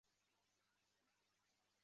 蒙巴尔东人口变化图示